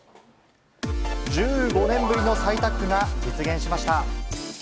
１５年ぶりの再タッグが実現しました。